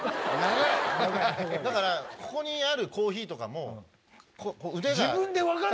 だからここにあるコーヒーとかも腕が。